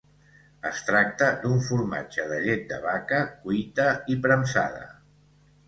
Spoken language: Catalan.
Es tracta d'un formatge de llet de vaca, cuita i premsada.